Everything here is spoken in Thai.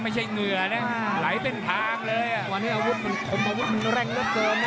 เหงื่อนะไหลเป็นทางเลยอ่ะวันนี้อาวุธมันคมอาวุธมันแรงเหลือเกินนะ